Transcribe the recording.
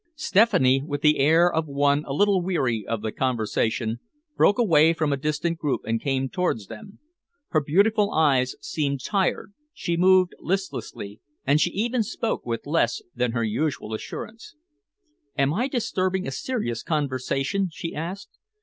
Stephanie, with the air of one a little weary of the conversation, broke away from a distant group and came towards them. Her beautiful eyes seemed tired, she moved listlessly, and she even spoke with less than her usual assurance. "Am I disturbing a serious conversation?" she asked.